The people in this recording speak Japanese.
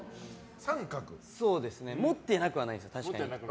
持ってなくはないです、確かに。